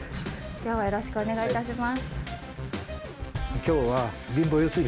今日はよろしくお願いいたします。